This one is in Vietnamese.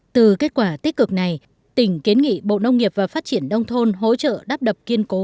từ kết quả tích cực này tỉnh kiến nghị bộ nông nghiệp và phát triển đông thôn hỗ trợ đắp đập kiên cố